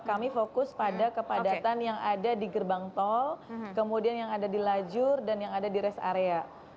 kami fokus pada kepadatan yang ada di gerbang tol kemudian yang ada di lajur dan yang ada di rest area